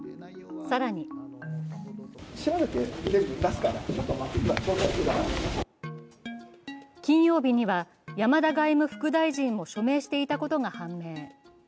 更に金曜日には山田外務副大臣を署名していたことが判明。